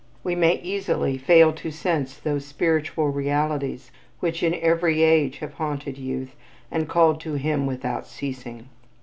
We may easily fail to sense those spiritual realities, which, in every age, have haunted youth and called to him without ceasing.